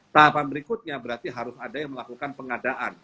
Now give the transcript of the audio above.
tahapan berikutnya berarti harus ada yang melakukan pengadaan